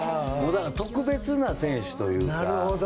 だから特別な選手というか。